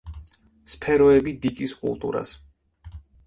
სფეროები დიკის კულტურას.